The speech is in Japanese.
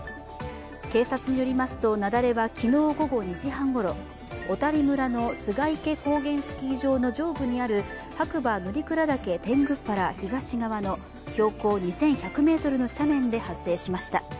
警察によりますと雪崩は昨日午後２時半ごろ、小谷村の栂池高原スキー場の上部にある白馬乗鞍岳天狗原東側の標高２１００ｍの斜面で発生しました。